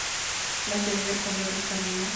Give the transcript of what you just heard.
La sede del condado es Camilla.